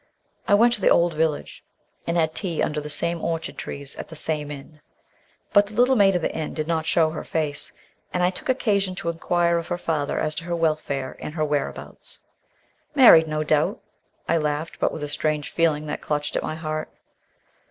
I went to the old village and had tea under the same orchard trees at the same inn. But the little maid of the inn did not show her face, and I took occasion to enquire of her father as to her welfare and her whereabouts. "Married, no doubt," I laughed, but with a strange feeling that clutched at my heart.